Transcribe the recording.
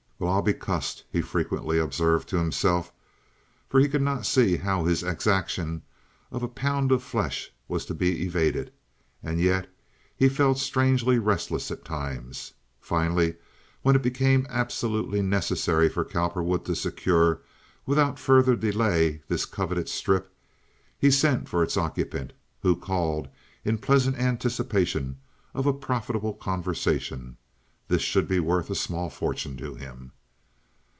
"Well, I'll be cussed," he frequently observed to himself, for he could not see how his exaction of a pound of flesh was to be evaded, and yet he felt strangely restless at times. Finally, when it became absolutely necessary for Cowperwood to secure without further delay this coveted strip, he sent for its occupant, who called in pleasant anticipation of a profitable conversation; this should be worth a small fortune to him.